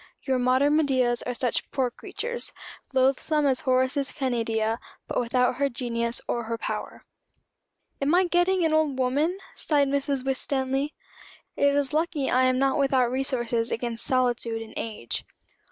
Your modern Medeas are such poor creatures loathsome as Horace's Canidia, but without her genius or her power. "I am getting an old woman," sighed Mrs. Winstanley. "It is lucky I am not without resources against solitude and age."